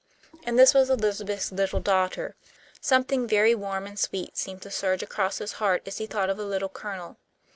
And this was Elizabeth's little daughter. Something very warm and sweet seemed to surge across his heart as he thought of the Little Colonel.